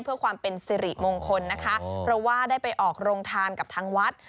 เพื่อความเป็นสิริมงคลนะคะเพราะว่าได้ไปออกโรงทานกับทางวัด